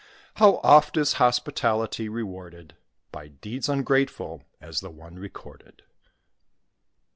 How oft is hospitality rewarded By deeds ungrateful as the one recorded!